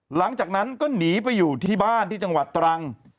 หลังจากนั้นก็หนีไปอยู่ที่บ้านที่จังหวัดตรัง